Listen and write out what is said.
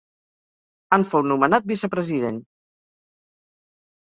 En fou nomenat vicepresident.